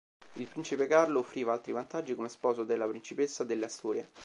Il principe Carlo offriva altri vantaggi come sposo della principessa delle Asturie.